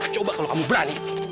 coba kalau kamu berani